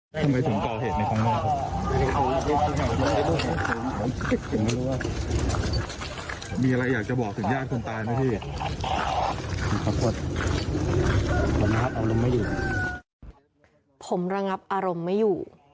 ผมระงับอารมณ์ไม่อยู่